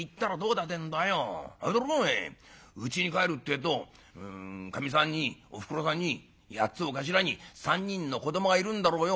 あれだろお前うちに帰るってえとかみさんにおふくろさんに８つを頭に３人の子どもがいるんだろうよ。